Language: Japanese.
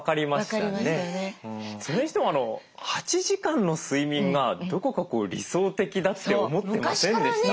それにしても８時間の睡眠がどこか理想的だって思ってませんでした？